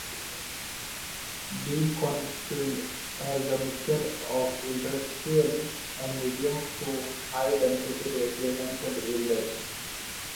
Beaconsfield has a mixture of industrial and medium to high density residential areas.